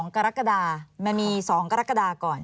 กรกฎามันมี๒กรกฎาก่อน